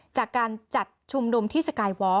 จากการจัดชุมนุมที่สกายวอล